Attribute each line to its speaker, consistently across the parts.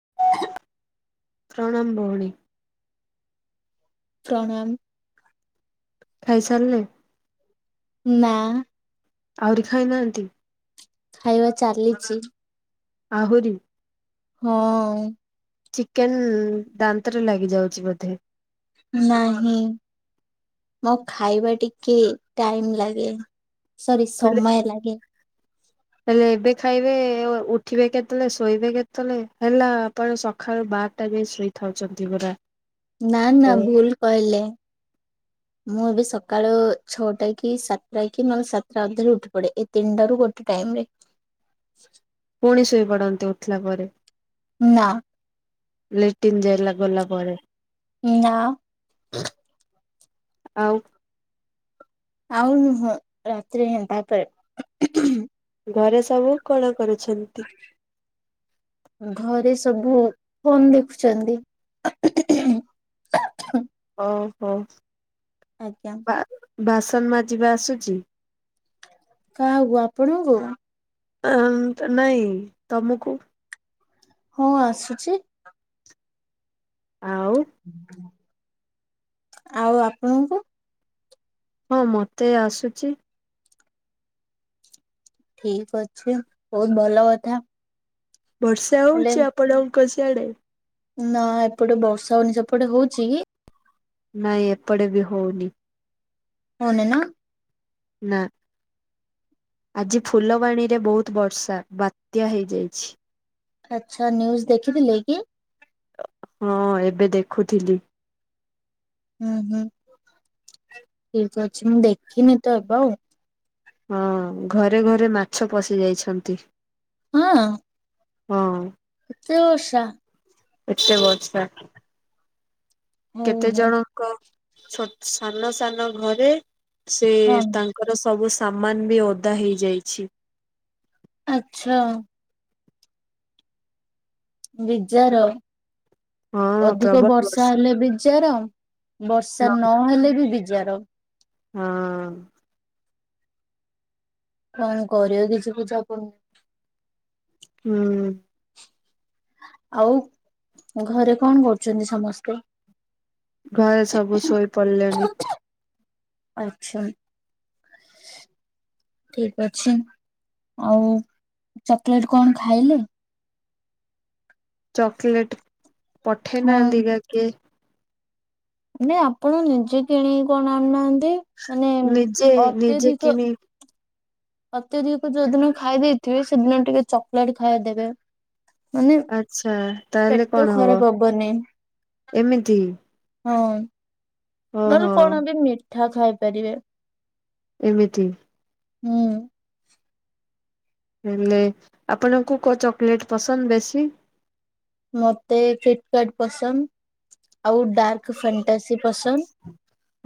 Speaker 1: [unintelligible]
Speaker 2: ପ୍ରଣାମ ଭଉଣୀ
Speaker 1: ପ୍ରଣାମ
Speaker 2: ଖାଇ ସାରିଲେଣି
Speaker 1: ନା
Speaker 2: ଆହୁରି ଖାଇନାହାନ୍ତି
Speaker 1: ଖାଇବା ଚାଲିଛି
Speaker 2: ଆହୁରି
Speaker 1: ହଁ
Speaker 2: ଚିକେନ ଦାନ୍ତରେ ଲାଗି ଯାଉଛି ବୋଧେ
Speaker 1: ନାହିଁ ମୋ ଖାଇବା ଟିକେ ଟାଇମ ଲାଗେ ସରି
Speaker 2: ହେଲେ
Speaker 1: ସମୟ ଲାଗେ
Speaker 2: ହେଲେ ଏବେ ଖାଇବେ ଉଠିବେ କେତେବେଳେ ଶୋଇବେ କେତେବେଳେ? ହେଲା ଆପଣ ସକାଳୁ ବା [unintelligible] ଶୋଇଥାଉଛନ୍ତି ପରା
Speaker 1: ନା ନା ଭୁଲ କହିଲେ ମୁଁ ଏବେ ସକାଳ ଛଅଟା କି ସାତଟା କି ନହେଲେ ସାତଟା ଅଧେରେ ଉଠି ପଡେ ଏ ତିନିଟା ରୁ ଗୋଟେ ଟାଇମ ରେ
Speaker 2: ପୁଣି ଶୋଇପଡନ୍ତି ଉଠିଲା ପରେ
Speaker 1: ନା
Speaker 2: ଲାଟିନ୍ ଯାଇଲା ଗଲାପରେ
Speaker 1: ନା।
Speaker 2: ଆଉ
Speaker 1: ଆଉନ ରାତରେ ଏଣ୍ଟା ପରେ।
Speaker 2: ଘରେ ସବୁ କଣ କରୁଛନ୍ତି?
Speaker 1: [inaudible] ଘରେ ସବୁ ଫୋନ ଦେଖୁଛନ୍ତି। [inaudible]
Speaker 2: ଓହୋ
Speaker 1: ଆଜ୍ଞା
Speaker 2: ବା ବାସନ ମାଯିବା ଆସୁଛି?
Speaker 1: କାହାକୁ ଆପଣଙ୍କୁ?
Speaker 2: ନାଇଁ ତମକୁ?
Speaker 1: ହଁ ଆସୁଛି।
Speaker 2: ଆଉ
Speaker 1: ଆଉ ଆପଣଙ୍କୁ?
Speaker 2: ହଁ ମତେ ଆସୁଛି।
Speaker 1: ଠିକ ଅଛି ବହୁତ ଭଲ କଥା।
Speaker 2: ବର୍ଷା
Speaker 1: ହେଲେ
Speaker 2: ହଉଛି ଆପଣଙ୍କ ସିଆଡେ?
Speaker 1: ନା ଏପଟେ ବର୍ଷା ହଉନି ସେପଟେ ହଉଛି କି?
Speaker 2: ନାଇଁ ଏପଟେ ବି ହଉନି।
Speaker 1: ହଉନି ନା?
Speaker 2: ନା। ଆଜି ଫୁଲବାଣୀ ରେ ବହୁତ ବର୍ଷା ବାତ୍ୟା ହେଇଯାଇଛି।
Speaker 1: ଆଚ୍ଛା ନିନ୍ୟୁଜ ଦେଖିଥିଲେ କି?
Speaker 2: ହଁ ଏବେ ଦେଖୁଥିଲି।
Speaker 1: ହୁଁ ହୁଁ ଠିକ ଅଛି ମୁଁ ଦେଖିନି ତ ଏବେ ଆଉ।
Speaker 2: ହଁ ଘରେ ଘରେ ମାଛ ପଶି ଯାଇଛନ୍ତି।
Speaker 1: ହଁ।
Speaker 2: ହଁ।
Speaker 1: କେତେ ବର୍ଷା?
Speaker 2: ଏତେ ବର୍ଷା।
Speaker 1: ହଉ
Speaker 2: କେତେ
Speaker 1: ହଉ
Speaker 2: ଜଣଙ୍କ ସାନ ସାନ ଘରେ ସେ
Speaker 1: ହଁ
Speaker 2: ତା ତାଙ୍କର ସବୁ ସାମାନ ବି ଓଦା ହେଇଯାଇଛି।
Speaker 1: ଆଚ୍ଛା। ବିଜାର
Speaker 2: ହଁ
Speaker 1: ଅଧିକ
Speaker 2: ପ୍ରବଳ
Speaker 1: ବର୍ଷା ହେଲେ ବିଜାର। ବର୍ଷା ନହେଲେ ବି ବିଜାର।
Speaker 2: ହଁ।
Speaker 1: କଣ କରିବ କିଛି ବୁଝାପଡୁନି?
Speaker 2: ହୁଁ।
Speaker 1: ଆଉ ଘରେ କଣ କରୁଛନ୍ତି ସମସ୍ତେ?
Speaker 2: ଘରେ ସବୁ ଶୋଇପଡ଼ିଲେଣି।
Speaker 1: ଆଚ୍ଛା। ଠିକ ଅଛି ଆଉ ଚକୋଲେଟ କଣ ଖାଇଲେ?
Speaker 2: ଚକୋଲେଟ ପଠେଇ
Speaker 1: ହଁ
Speaker 2: ନାହାଁନ୍ତି କା କିଏ?
Speaker 1: ନାଇଁ ଆପଣ ନିଜେ କିଣିକି କଣ ଆଣୁନାହାନ୍ତି ମାନେ
Speaker 2: ନିଜେ ନିଜେ
Speaker 1: ଅତ୍ୟଧିକ
Speaker 2: କିଣି
Speaker 1: ଅଧିକକୁ ଯୋଉଦିନ ଖାଇ ଦେଇଥିବେ ସେଦିନ ଟିକେ ଚକୋଲେଟ୍ ଖାଇ ଦେବେ। ମାନେ
Speaker 2: ଆଚ୍ଛା ତାହେଲେ
Speaker 1: ପେଟ
Speaker 2: କଣ ହବ
Speaker 1: ଖରାପ ହବନି।
Speaker 2: ଏମିତି
Speaker 1: ହଁ ନହେଲେ
Speaker 2: ଓହୋ
Speaker 1: କଣ ବି ମିଠା ଖାଇପାରିବେ।
Speaker 2: ଏମିତି।
Speaker 1: ହୁଁ।
Speaker 2: ହେଲେ ଆପଣଙ୍କୁ କୋଉ ଚକୋଲେଟ ପସନ୍ଦ ବେଶୀ?
Speaker 1: ମତେ ଫ୍ଲିପକାର୍ଟ ପସନ୍ଦ ଆଉ ଡାର୍କ ଫାଣ୍ଟ ଟା ସି ପସନ୍ଦ।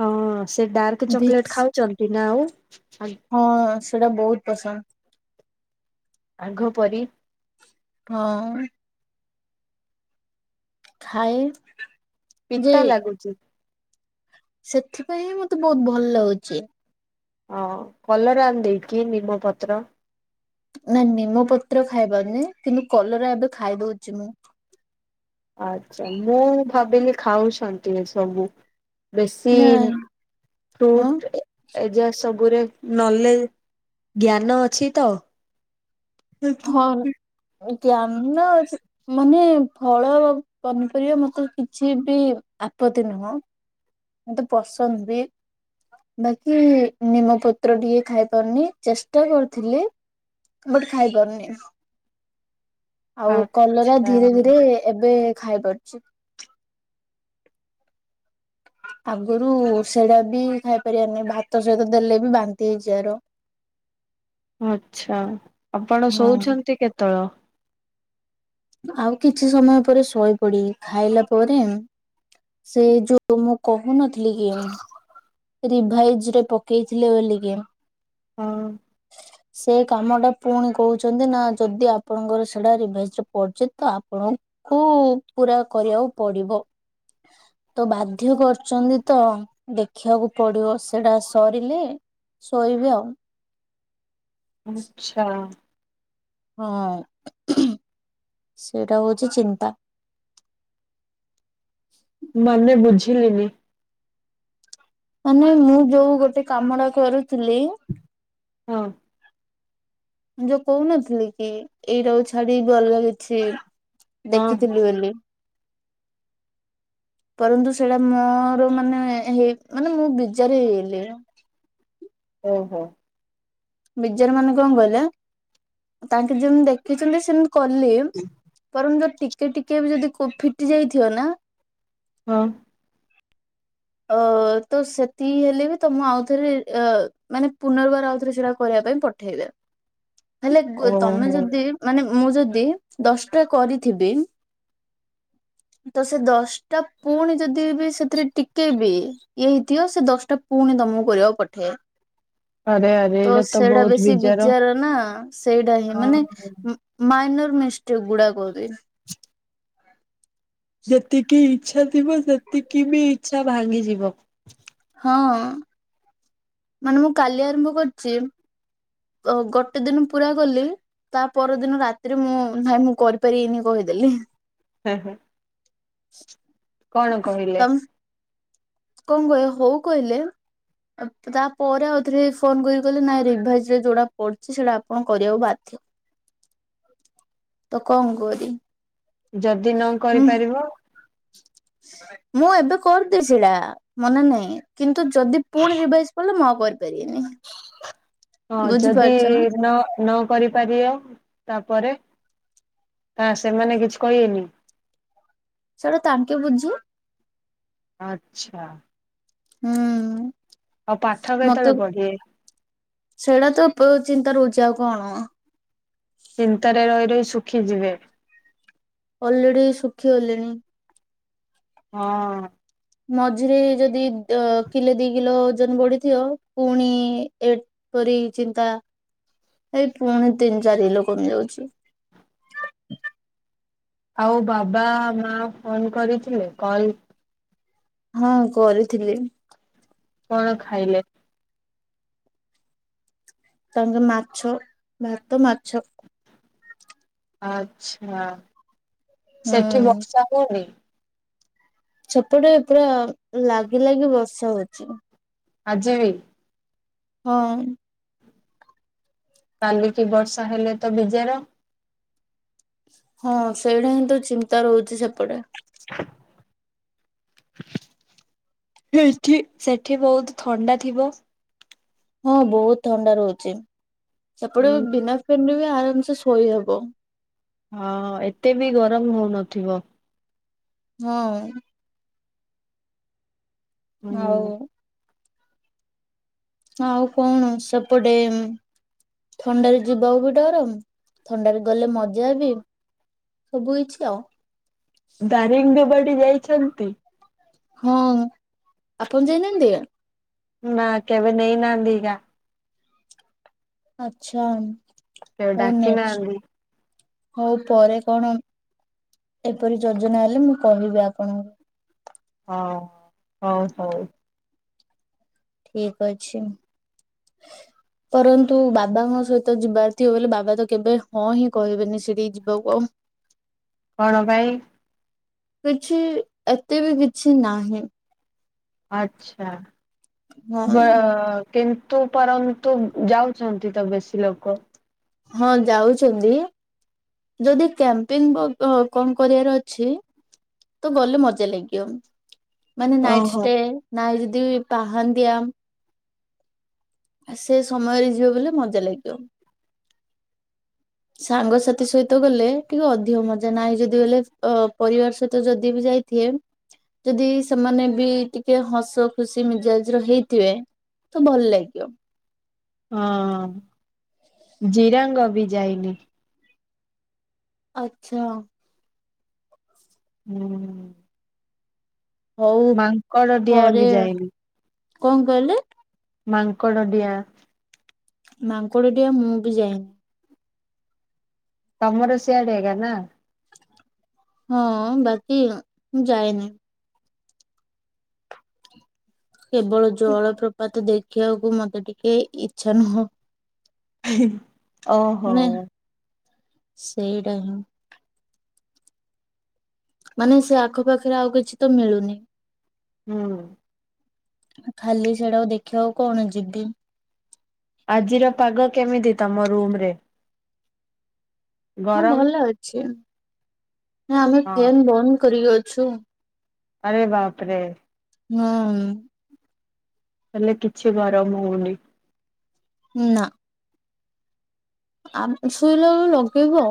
Speaker 2: ହଁ ସେ ଡାର୍କ ଚକଲେଟ୍
Speaker 1: ଭିକ୍ସ
Speaker 2: ଖାଉଚନ୍ତି ନା ଆଉ?
Speaker 1: ହଁ ସେଟା ବହୁତ ପସନ୍ଦ।
Speaker 2: ଆଘ ପରି
Speaker 1: ହଁ ଅ। ଖାଏ। ଯେ
Speaker 2: ପିତା ଲାଗୁଚି।
Speaker 1: ସେଥିପାଇଁ ହିଁ ମତେ ବହୁତ ଭଲ ଲାଗୁଚି।
Speaker 2: ଅଁ କଲରା ଆଣି ଦେଇକି ନିମ୍ବପତ୍ର।
Speaker 1: ନା ନିମ୍ବ ପତ୍ର ଖାଇ ପାରୁନି କିନ୍ତୁ କଲରା ଏବେ ଖାଇଦଉଚି ମୁଁ।
Speaker 2: ଆଚ୍ଛା ମୁଁ ଭାବିଲି ଖାଉଛନ୍ତି ଏ ସବୁ। ବେଶୀ
Speaker 1: ନାଇଁ ହଁ
Speaker 2: ଫ୍ରୁଟ। ଏଯାକ୍ ସବୁରେ ନଲେଜ ଜ୍ଞାନ ଅଛି ତ?
Speaker 1: ହଁ ଜ୍ଞାନ ଅଛି। ମାନେ ଫଳ ପନିପରିବା ମତେ କିଛି ବି ଆପତ୍ତି ନୁହଁ। ମତେ ପସନ୍ଦ ବି। ବାକି ନିମପତ୍ର ଟିକେ ଖାଇ ପାରୁନି ଚେଷ୍ଟା କରୁଥିଲି। ବଟ୍ ଖାଇପାରୁନି। ଆଉ କଲରା
Speaker 2: ଆଚ୍ଛା
Speaker 1: ଧୀରେ ଧୀରେ ଏବେ ଖାଇପାରୁଚି। ଆଗରୁ ସେଡା ବି ଖାଇପାରିବାରନାଇ ଭାତ ସହିତ ଦେଲେ ବି ବାନ୍ତି ହେଇଯିବାର।
Speaker 2: ଆଚ୍ଛା ଆପଣ
Speaker 1: ହଁ
Speaker 2: ଶୋଉଛନ୍ତି କେତେବଳ?
Speaker 1: ଆଉ କିଛି ସମୟ ପରେ ଶୋଇ ପଡିବି ଖାଇଲା ପରେ ସେ ଯୋଉ ମୁ କହୁନଥିଲି କି ମୁଁ ରିଭାଇଜ ରେ ପକେଇଥିଲେ ବୋଲିକି ଏମ୍।
Speaker 2: ହଁ।
Speaker 1: ସେ କାମ ଟା ପୁଣି କହୁଛନ୍ତି ନା ଯଦି ଆପଣଙ୍କର ସେଟା ରିଭାଇଜ୍ ରେ ପଡୁଛି ତ ଆପଣ କୁ ପୁରା କରିବାକୁ ପଡିବ। ତ ବାଧ୍ୟ କରୁଚନ୍ତି ତ। ଖିବାକୁ ପଡିବ ସେଇଟା ସରିଲେ ଶୋଇବି ଆଉ।
Speaker 2: ଆଚ୍ଛା।
Speaker 1: ହଁ ଉହୁଁ ସେଇଟା ହଉଚି ଚିନ୍ତା।
Speaker 2: ମାନେ ବୁଝିଲିନି।
Speaker 1: ମାନେ ମୁଁ ଯୋଉ ଗୋଟେ କାମଡା କରୁଥିଲି।
Speaker 2: ହଁ।
Speaker 1: ମୁଁ ଯୋଉ କହୁନଥିଲି କି ଏଇଟାକୁ ଛାଡି ଗଲଗୁଛି।
Speaker 2: ହଁ ହଁ
Speaker 1: ଦେଖିଥିଲି ବୋଲି। ପରନ୍ତୁ ସେଇଟା ମୋର ମାନେ ହେଇ ମାନେ ମୁଁ ବିଜାର ହେଇଗଲି।
Speaker 2: ଓହୋ।
Speaker 1: ବିଜାର ମାନେ କଁ କହିଲେ ତାଙ୍କେ ଯେମତି ଦେଖିଥିଲେ ସେମିତ୍। କଲେ ପରଂ ଯ ଟିକେ ଟିକେ ବି ଯଦି ଖୋ ଫିଟି ଯାଇଥିବ ନା।
Speaker 2: ହଁ।
Speaker 1: ଅ ତ ସେତିକି ହେଲେ ବି ତମ ଆଉଥରେ ଏ ମାନେ ପୁନର୍ବାର ଆଉଥରେ ସେଟାକୁ କରବା ପାଇଁ ପଠେଇବେ ହେଲେ ଗୋ ତମେ
Speaker 2: ଓହୋ
Speaker 1: ଯଦି ମାନେ ମୁ ଯଦି ଦଶଟା କରିଥିବି ତ ସେ ଦଶଟା ପୁଣି ଯଦି ବି ସେଥିରେ ଟିକ୍ କେ ବି ଇଏ ହେଇଥିବ ସେ ଦଶଟା ପୁଣି ତମକୁ କରିବାକୁ ପଠେଇବେ।
Speaker 2: ଆରେ ଆରେ
Speaker 1: ତୋ
Speaker 2: ଏଇଟା ତ
Speaker 1: ସେଇଟା
Speaker 2: ବହୁତ
Speaker 1: ବେଶୀ ବିଜାର ନା, ସେଇଟା ହିଁ ମାନେ
Speaker 2: ହଁ
Speaker 1: ଉଁ ମାଇନର୍ ମିଷ୍ଟେକ ଗୁଡାକ କହୁଚି।
Speaker 2: ଯେତିକି ଇଚ୍ଛା ଥିବ ସେତିକି ବି ଇଚ୍ଛା ଭାଙ୍ଗିଯିବ।
Speaker 1: ହଁ ଅ। ମାନେ ମୁଁ କାଲି ଆରମ୍ଭ କରିଛି। ଅ ଗଟେ ଦିନ ପୁରା କଲି। ତା ପରଦିନ ରାତିରେ ମୁଁ ନାଇଁ ମୁଁ କରିପାରିବିନି କହିଦେଲି।
Speaker 2: ହେଲେ
Speaker 1: [inaudible]
Speaker 2: କଣ କହିଲେ?
Speaker 1: ତ କଣ କହେ ହଉ କହିଲେ। ତାପରେ ଆଉ ଥରେ ଫୋନ କରିକି କହିଲେ ନାଇଁ ରିଭାଇଜ ରେ ଯୋଉଟା ପଡୁଛି ସେଟା ଆପଣ କରିବାକୁ ବାଧ୍ୟ। ତ କଣ କରି
Speaker 2: ଯଦି ନ କରିପାରିବ?
Speaker 1: ମୁଁ ଏବେ କରିଦେଇ ସେଡ଼ା ମନେ ନାଇଁ। କିନ୍ତୁ ଯଦି ପୁଣି ରିଭାଇଜ କଲେ ମୁଁ ଆଉ କରିପାରିବିନି।
Speaker 2: ହଁ ଯଦି
Speaker 1: ବୁଝିପାରୁଛ ନା
Speaker 2: ନ ନ କରିପାରିବ ତାପରେ ଆ ସେମାନେ କିଛି କହିବେନି।
Speaker 1: ସେଟା ତାଙ୍କେ ବୁଝୁ
Speaker 2: ଆଚ୍ଛା
Speaker 1: ହୁଁ
Speaker 2: ଆଉ ପାଠ
Speaker 1: ମତେ
Speaker 2: କେତେବେଳେ ପଢିବେ?
Speaker 1: ସେଇଟା ତ ବୋହୁତ ଚିନ୍ତା ରହୁଛି ଆଉ କଣ
Speaker 2: ଚିନ୍ତାରେ ରହି ରହି ଶୁଖିଯିବେ।
Speaker 1: ଅଲରେଡି ସୁଖି ଗଲିଣି।
Speaker 2: ହଁ
Speaker 1: ମଝିରେ ଯଦି ଅ କିଲୋ ଦି କିଲୋ ଓଜନ ବଢିଥିବ ପୁଣି ଏ ପରି ଚିନ୍ତା ଏଇ ପୁଣି ତିନି ଚାରି କିଲୋ କମି ଯାଉଛି।
Speaker 2: ଆଉ ବାବା ମା ଫୋନ କରିଥିଲେ କଲ?
Speaker 1: ହଁ କରିଥିଲି।
Speaker 2: କଣ ଖାଇଲେ?
Speaker 1: ତାଙ୍କେ ମାଛ ଭାତ ମାଛ।
Speaker 2: ଆଛା ସେଠି
Speaker 1: ହୁଁ
Speaker 2: ବର୍ଷା ହୁଏନି?
Speaker 1: ସେଛପଟେ ପୁରା ଲାଗି ଲାଗି ବର୍ଷା ହୋଉଛି।
Speaker 2: ଆଜିିବି?
Speaker 1: ହଁ
Speaker 2: କାଲିକି ବର୍ଷା ହେଲେ ତ ବିଜାର।
Speaker 1: ହଁ ସେଇଟା ହିଁ ତ ଚିନ୍ତା ରହୁଛି ସେପଟେ
Speaker 2: [inaudible] ସେଠି ସେଠି ବହୁତ ଥଣ୍ଡା ଥିବ।
Speaker 1: ହଁ ବହୁତ ଥଣ୍ଡା ରହୁଛି ସେପଟେ
Speaker 2: ହୁଁ।
Speaker 1: ବିନା ଫ୍ୟାନରେ ବି ଆରାମସେ ଶୋଇ ହବ।
Speaker 2: ହଁ ଏତେ ବି ଗରମ ହୋଉନଥିବ।
Speaker 1: ହଁ ଆଉ
Speaker 2: ହୁଁ
Speaker 1: ଆଉ କଣ ସେପଟେ? ଥଣ୍ଡାରେ ଯିବାକୁ ବି ଡ଼ର ଥଣ୍ଡାରେ ଗଲେ ମଜା ବି। ସବୁକିଛି ଆଉ
Speaker 2: ଦାରିଙ୍ଗଦବାଡି ଯାଇଛନ୍ତି?
Speaker 1: ହଁ ଆପଣ ଯାଇନାହାନ୍ତି କି?
Speaker 2: ନା କେବେ ନେଇ ନାହାନ୍ତି ଏକା
Speaker 1: ଆଚଛା
Speaker 2: କେବେ
Speaker 1: ହଉ
Speaker 2: ଡାକି
Speaker 1: ନେକ୍ସଟ
Speaker 2: ନାହାନ୍ତି
Speaker 1: ହଉ ପରେ କଣ ଏପରି ଯୋଜନା ହେଲେ ମୁଁ କହିବି ଆପଣଙ୍କୁ।
Speaker 2: ହଉ ହଉ ହଉ।
Speaker 1: ଠିକ ଅଛି। ପରନ୍ତୁ ବାବାଙ୍କ ସହିତ ଯିବାର ଥିବ ବ ବାବା ତ କେବେ ହଁ ହିଁ କହିବେନି ସେଠିକି ଯିବାକୁ କଣ
Speaker 2: କଣ ପାଇଁ?
Speaker 1: କିଛି ଏତେ ବି କିଛି ନାହିଁ।
Speaker 2: ଆଛା
Speaker 1: ହଁ
Speaker 2: ବ କିନ୍ତୁ ପରନ୍ତୁ ଯାଉଛନ୍ତି ତ ବେଶୀ ଲୋକ।
Speaker 1: ହଁ ଯାଉଛନ୍ତି ଯଦି କ୍ୟାମ୍ପିଙ୍ଗ କଣ କରିବାର ଅଛି ତ ଗଲେ ମଜା ଲାଗିବ ମାନେ ନାଇଟ
Speaker 2: ଓହୋ।
Speaker 1: ଷ୍ଟେ ନା ଆଉ ଯଦି ପାହାନ୍ତିିଆ ଆ ସେ ସମୟରେ ଯିବ ବୋଲେ ମଜା ଲାଗିବ। ସାଙ୍ଗସାଥି ସହିତ ଗଲେ ଟିକେ ଅଧିକ ମଜା ନାହିଁ ଯଦି ଗଲେ ଅ ପରିବାର ସହିତ ଯଦି ବି ଯାଇ ଏ ଯଦି ସେମାନେ ବି ଟିକେ ହସ ଖୁସି ମିଜାଜର ହେଇଥିବେ ତ ଭଲ ଲାଗିବ।
Speaker 2: ହଁ ଜିରାଙ୍ଗ ବିି ଯାଇନି।
Speaker 1: ଆଛା।
Speaker 2: ହୁଁ।
Speaker 1: ହଉ
Speaker 2: ମାଙ୍କଡ ଡିଆଁ
Speaker 1: ପରେ
Speaker 2: ବି ଯାଇନି
Speaker 1: କଣ କହିଲେ?
Speaker 2: ମାଙ୍କଡ ଡିଁଆ।
Speaker 1: ମାଙ୍କଡ ଡିଆ ମୁଁ ବି ଯାଇନି।
Speaker 2: ତମର ସିଆଡେ ଆକା ନା?
Speaker 1: ହଁ ବାକି ମୁଁ ଯାଇନି। କେବଳ ଜଳପ୍ରପାତ ଦେଖିବାକୁ ମତେ ଟିକେ ଇଛା ନୁହଁ।
Speaker 2: ଓହୋ।
Speaker 1: ନା ସେଇଟା ହଁ। ମାନେ ସେ ଆଖପାଖରେ ଆଉ କିଛି ତ ମିଳୁନି।
Speaker 2: ହୁଁ।
Speaker 1: ଖାଲି ସେଇଟାକୁ ଦେଖିବାକୁ କଣ ଯିବି।
Speaker 2: ଆଜିର ପାଗ କେମିତି ତମ ରୁମ ରେ?
Speaker 1: ହଁ
Speaker 2: ଗରମ?
Speaker 1: ଭଲ ଅଛି ନା ଆମେ
Speaker 2: ହଁ।
Speaker 1: ଫ୍ୟନ୍ ବନ୍ଦ କରିକି ଅଛୁ।
Speaker 2: ଆରେ ବାପରେ।
Speaker 1: ହୁଁ।
Speaker 2: ହେଲେ କିଛି ଗରମ ହଉନି।
Speaker 1: ନା। ଆ ଶୋଇଲାଳୁ ଲଗେଇବ।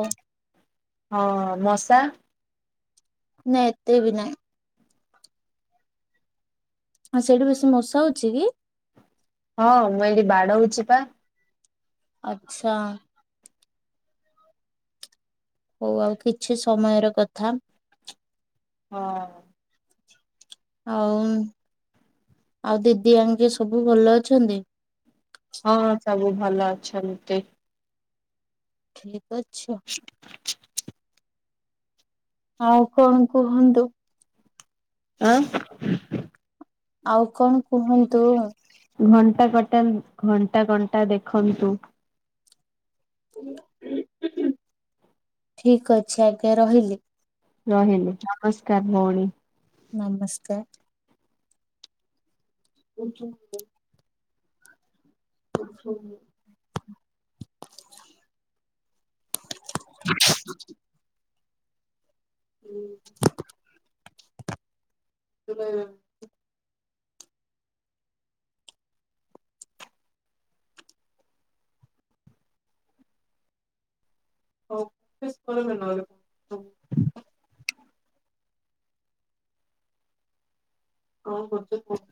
Speaker 2: ହଁ ମଶା
Speaker 1: ନା ଏତେ ବି ନାଇଁ। ଆଉ ସେଇଠି ବେଶୀ ମଶା ହଉଛି କି?
Speaker 2: ହଁ ମୁଁ ଏଇଠି ବାଡଉଛି ପା।
Speaker 1: ଆଛା। ହଉ ଆଉ କିଛି ସମୟର କଥା।
Speaker 2: ହଁ।
Speaker 1: ଆଉ ଆଉ ଦିଦି ଆଙ୍କେ ସବୁ ଭଲ ଅଛନ୍ତି?
Speaker 2: ହଁ ସବୁ ଭଲ ଅଛନ୍ତି।
Speaker 1: ଠିକ ଅଛ?
Speaker 2: [unintelligible]
Speaker 1: ଆଉ କଣ କୁହନ୍ତୁ।
Speaker 2: ଆନାଁ
Speaker 1: ଆଉ କଣ କୁହନ୍ତୁ।
Speaker 2: ଘଣ୍ଟା, କଣ୍ଟା, ଘଣ୍ଟା, କଣ୍ଟା ଦେଖନ୍ତୁ।
Speaker 1: ଠିକ ଅଛି ଆଜ୍ଞା ରହିଲି।
Speaker 2: ରହଲି ନମସ୍କାର ଭଉଣୀ।
Speaker 1: ନମସ୍କାର। [unintelligible] [unintelligible] [unintelligible] ହୁଁ [inaudible] ହ [inaudible] ଓ କର [inaudible] ହଉ ହଉଛ କୁ [inaudible]